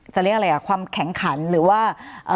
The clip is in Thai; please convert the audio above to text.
เรียกอะไรอ่ะความแข็งขันหรือว่า